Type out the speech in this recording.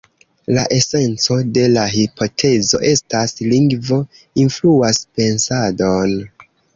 La esenco de la hipotezo estas: "lingvo influas pensadon".